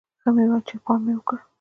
ښه مې و چې پام مې وکړ.